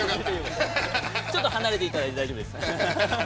◆ちょっと離れていただいて大丈夫ですよ。